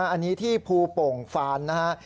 อันนี้ที่ภูโป่งฟานนะฮะ